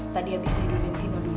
tadi abis hidurin vino dulu